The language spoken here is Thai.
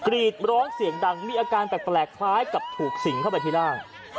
กรีดร้องเสียงดังมีอาการแปลกคล้ายกับถูกสิ่งเข้าไปที่ร่าง